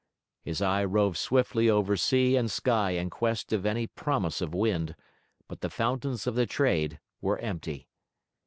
His eye roved swiftly over sea and sky in quest of any promise of wind, but the fountains of the Trade were empty.